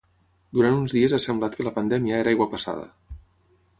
Durant uns dies ha semblat que la pandèmia era aigua passada.